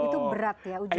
itu berat ya ujani